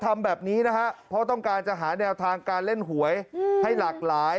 ทำแบบนี้นะฮะเพราะต้องการจะหาแนวทางการเล่นหวยให้หลากหลาย